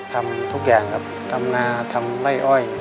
ทำทุกอย่างครับทำนาทำไร่อ้อย